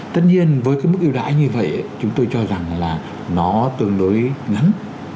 tất nhiên với cái mức ưu đãi như vậy chúng tôi cho rằng là nó tương đối ngắn